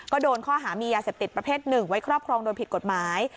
ก็โดนข้อหามียาเสพติดประเภทหนึ่งไว้ครอบครองโดยผิดกฎหมาย